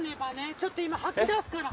ちょっと今吐き出すから。